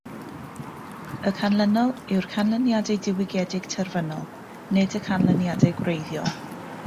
Y canlynol yw'r canlyniadau diwygiedig terfynol, nid y canlyniadau gwreiddiol.